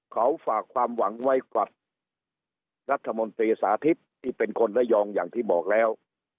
เขาฝากความหวังไว้กับรัฐมนตรีสาธิตที่เป็นคนระยองอย่างที่บอกแล้ว